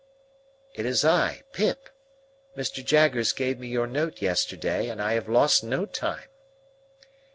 "It is I, Pip. Mr. Jaggers gave me your note yesterday, and I have lost no time."